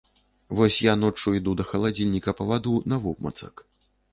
Вось я ноччу іду да халадзільніка па ваду навобмацак.